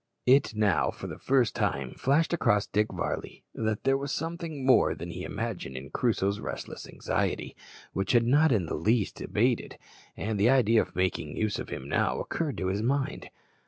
It now, for the first time, flashed across Dick Varley that there was something more than he imagined in Crusoe's restless anxiety, which had not in the least abated, and the idea of making use of him now occurred to his mind.